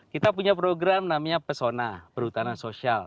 kita punya program namanya pesona perhutanan sosial